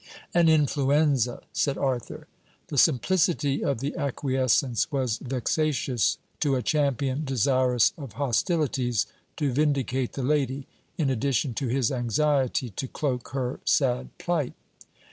'An influenza,' said Arthur. The simplicity of the acquiescence was vexatious to a champion desirous of hostilities, to vindicate the lady, in addition to his anxiety to cloak her sad plight.